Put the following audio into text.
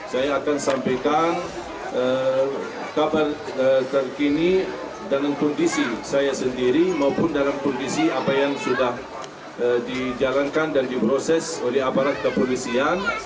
saya akan sampaikan kabar terkini dalam kondisi saya sendiri maupun dalam kondisi apa yang sudah dijalankan dan diproses oleh aparat kepolisian